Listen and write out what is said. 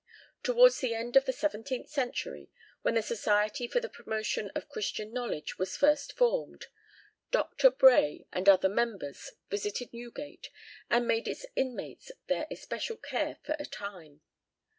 Towards the end of the seventeenth century, when the Society for the Promotion of Christian Knowledge was first formed, Dr. Bray and other members visited Newgate, and made its inmates their especial care for a time.